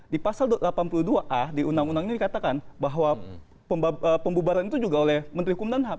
di pasal delapan puluh dua a di undang undang ini dikatakan bahwa pembubaran itu juga oleh menteri hukum dan ham